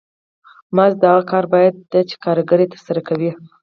مزد د هغه کار بیه ده چې کارګر یې ترسره کوي